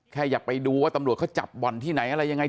แค่อยากไปดูว่าตำรวจเขาจับบ่อนที่ไหนอะไรยังไง